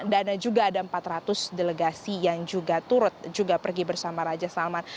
dan juga ada empat ratus delegasi yang juga turut pergi bersama raja salman